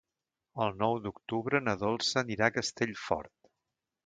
El nou d'octubre na Dolça anirà a Castellfort.